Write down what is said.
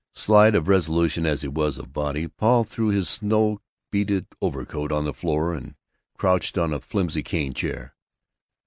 Slight of resolution as he was of body, Paul threw his snow beaded overcoat on the floor and crouched on a flimsy cane chair.